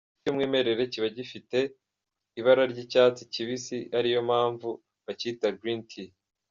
Icyayi cy’umwimerere cyiba gifite ibara ry’icyatsi kibisi, ariyo mpanvu bacyita “green tea”.